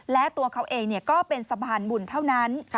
และตัวเขาเองก็เป็นสะพานบุญเท่านั้น